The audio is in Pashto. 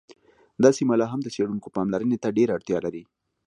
دا سیمه لا هم د څیړونکو پاملرنې ته ډېره اړتیا لري